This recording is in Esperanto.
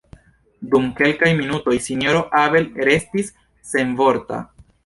Dum kelkaj minutoj Sinjoro Abel restis senvorta.